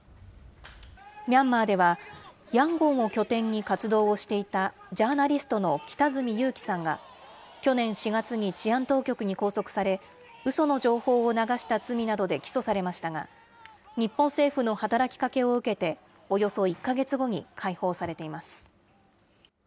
ミャンマーでは、ヤンゴンを拠点に活動をしていたジャーナリストの北角裕樹さんが、去年４月に治安当局に拘束され、うその情報を流した罪などで起訴されましたが、日本政府の働きかけを受けて、およそ１か月後に解放されています。